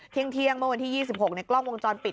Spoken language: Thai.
เที่ยงเมื่อวันที่๒๖ในกล้องวงจรปิด